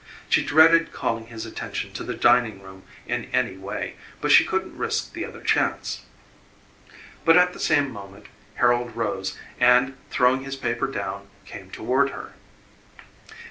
She dreaded calling his attention to the dining room in any way, but she couldn't risk the other chance. But at the same moment Harold rose and, throwing his paper down, came toward her.